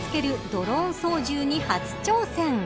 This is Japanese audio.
ドローン操縦に初挑戦。